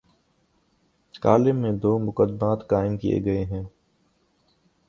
Column میں دومقدمات قائم کیے گئے ہیں۔